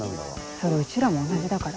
それうちらも同じだから。